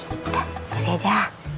udah beresin aja